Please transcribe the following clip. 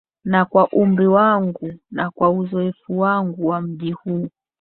na kwa umri wangu na kwa uzoefu wangu wa mji huu